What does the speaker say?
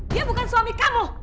dia bukan suami kamu